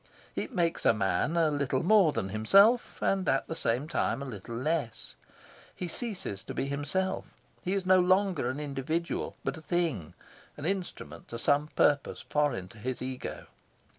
It makes a man a little more than himself, and at the same time a little less. He ceases to be himself. He is no longer an individual, but a thing, an instrument to some purpose foreign to his ego.